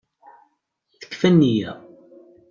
Tekfa nniya.